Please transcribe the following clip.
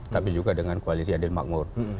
tapi juga dengan koalisi adil makmur